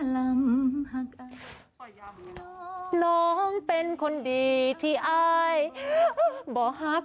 น้องเป็นคนดีที่อายบ่หัก